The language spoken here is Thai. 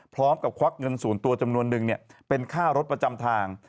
พร้อมกับควักเงินสูญตัวจำนวนหนึ่งเป็นข้ารถประจำทาง